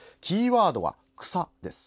キーワードは「草」です。